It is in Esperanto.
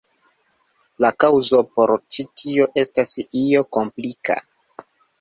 La kaŭzo por ĉi tio estas io komplika.